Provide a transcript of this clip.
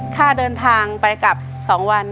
ค่าเดินทางไปกลับ๒วัน